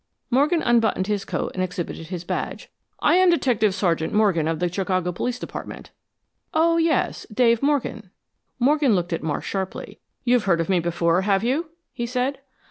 Morgan unbuttoned his coat and exhibited his badge. "I am Detective Sergeant Morgan of the Chicago Police Department." "Oh, yes Dave Morgan." Morgan looked at Marsh sharply. "You've heard of me before, have you?" he said.